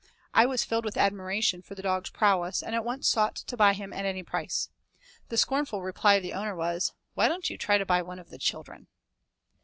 I was filled with admiration for the dog's prowess and at once sought to buy him at any price. The scornful reply of his owner was, "Why don't you try to buy one of the children?"